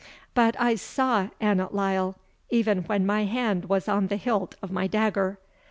But I saw Annot Lyle, even when my hand was on the hilt of my dagger.